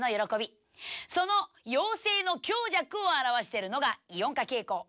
その陽性の強弱を表してるのがイオン化傾向。